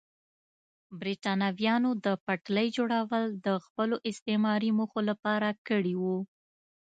برېټانویانو د پټلۍ جوړول د خپلو استعماري موخو لپاره کړي وو.